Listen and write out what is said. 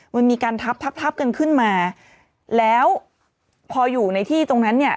มันมีการทับทับกันขึ้นมาแล้วพออยู่ในที่ตรงนั้นเนี่ย